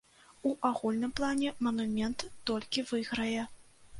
У агульным плане манумент толькі выйграе.